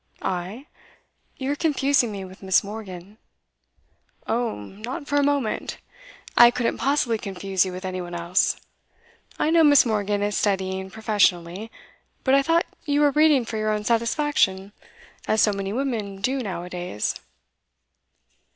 'I? You are confusing me with Miss. Morgan.' 'Oh, not for a moment! I couldn't possibly confuse you with any one else. I know Miss. Morgan is studying professionally; but I thought you were reading for your own satisfaction, as so many women do now a days.